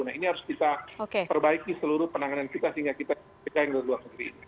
nah ini harus kita perbaiki seluruh penanganan kita sehingga kita yang ke luar negeri